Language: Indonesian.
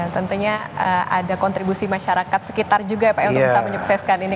tentunya ada kontribusi masyarakat sekitar juga ya pak untuk bisa menyukseskan ini